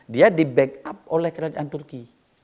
dia di backup oleh kerajaan turki